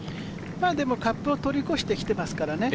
でもカップを通り越して来てますからね。